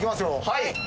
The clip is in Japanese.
はい。